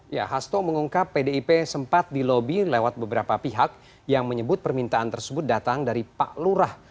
ya hasto mengungkap pdip sempat dilobi lewat beberapa pihak yang menyebut permintaan tersebut datang dari pak lurah